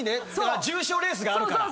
重賞レースがあるから。